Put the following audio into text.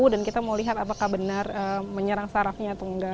dan kita mau lihat apakah benar menyerang sarafnya atau enggak